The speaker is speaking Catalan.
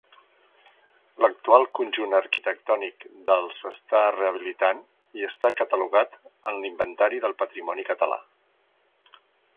L'actual conjunt arquitectònic del s'està rehabilitant i està catalogat en l'Inventari del Patrimoni Català.